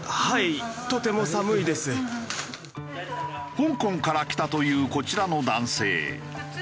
香港から来たというこちらの男性。